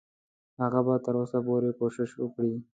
هغه به تر اوسه پورې کوشش وکړي.